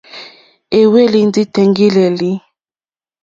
Éhwélì ndí tèŋɡílǃélí.